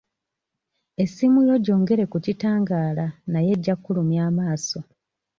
Essimu yo gyongere ku kitangaala naye ejja kkulumya amaaso.